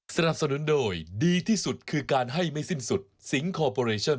สนับสนุนโดยดีที่สุดคือการให้ไม่สิ้นสุดสิงคอร์ปอเรชั่น